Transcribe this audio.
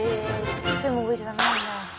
少しでも動いちゃ駄目なんだ。